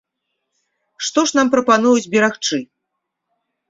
Што ж нам прапануюць берагчы?